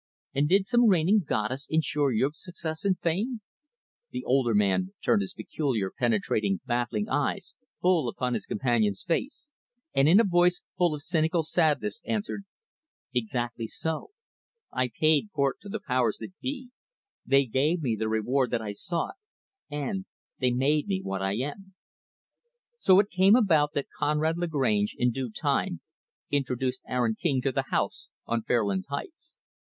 "And did some reigning 'Goddess' insure your success and fame?" The older man turned his peculiar, penetrating, baffling eyes full upon his companion's face, and in a voice full of cynical sadness answered, "Exactly so. I paid court to the powers that be. They gave me the reward I sought; and they made me what I am." So it came about that Conrad Lagrange, in due time, introduced Aaron King to the house on Fairlands Heights.